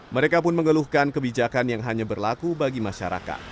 mereka pun mengeluhkan kebijakan yang hanya berlaku bagi masyarakat